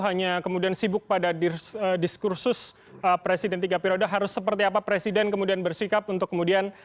hanya kemudian sibuk pada diskursus presiden tiga periode harus seperti apa presiden kemudian bersikap untuk kemudian